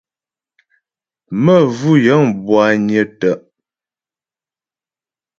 Məvʉ́ yə̂ŋ bwányə́ tə́'.